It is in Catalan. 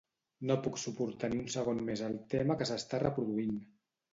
No puc suportar ni un segon més el tema que s'està reproduint.